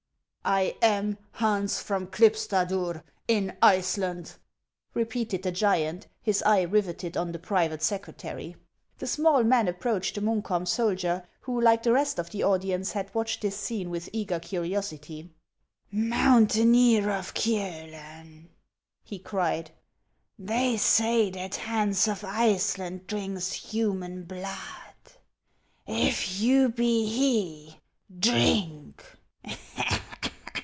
" I am Hans from Klipstadur, in Iceland," repeated the giant, his eye riveted on the private secretary. The small man approached the Munkholm soldier, who, like the rest of the audience, had watched this scene with eager curiosity. "Mountaineer of Kiolen," he cried, "they say that Hans of Iceland drinks human blood. If you be he, drink.